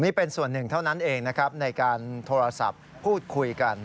นี่เป็นส่วนหนึ่งเท่านั้นเองนะครับในการโทรศัพท์พูดคุยกัน